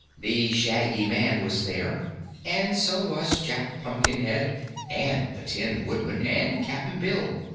The Shaggy Man was there, and so was Jack Pumpkinhead and the Tin Woodman and Cap'n Bill.